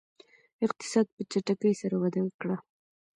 اقتصاد په چټکۍ سره وده وکړه.